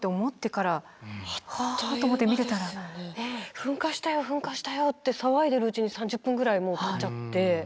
噴火したよ噴火したよって騒いでるうちに３０分ぐらいもうたっちゃって。